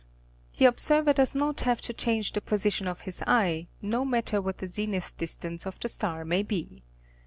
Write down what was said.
The observer doesnot have to change the position of his eye, no matter what the zenith distance of the star may be.